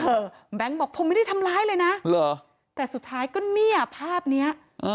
แบงค์บอกผมไม่ได้ทำร้ายเลยนะเหรอแต่สุดท้ายก็เนี่ยภาพเนี้ย